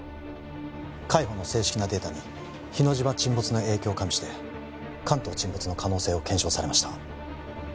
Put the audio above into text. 海保の正式なデータに日之島沈没の影響を加味して関東沈没の可能性を検証されました